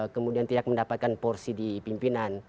kemudian tidak mendapatkan porsi di pimpinan